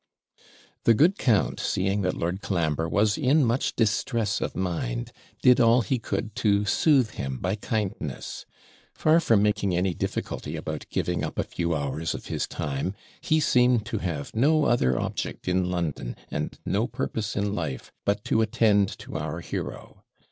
The good count, seeing that Lord Colambre was in much distress of mind, did all he could to soothe him by kindness; far from making any difficulty about giving up a few hours of his time, he seemed to have no other object in London, and no purpose in life, but to attend to our hero.